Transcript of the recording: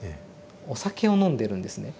お酒を飲んでるんですね。